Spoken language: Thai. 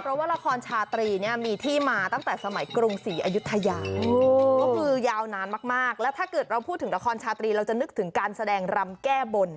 เพราะว่าละครชาตรีเนี่ยมีที่มาตั้งแต่สมัยกรุงศรีอายุทยาก็คือยาวนานมากแล้วถ้าเกิดเราพูดถึงละครชาตรีเราจะนึกถึงการแสดงรำแก้บน